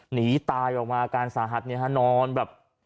หนีตายออกมาอาการสาหัสเนี่ยฮะนอนแบบ